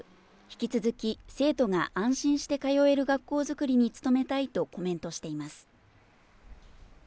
引き続き生徒が安心して通える学校作りに努めたいとコメントしています。